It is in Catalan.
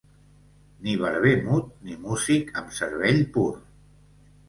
Ni barber mut ni músic amb cervell pur.